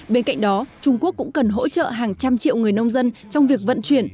bên cạnh đó trung quốc cũng cần hỗ trợ hàng trăm triệu người nông dân trong việc vận chuyển